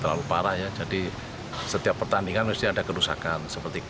terlalu parah ya jadi setiap pertandingan mesti ada kerusakan